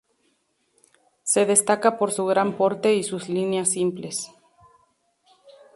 Se destaca por su gran porte y sus líneas simples.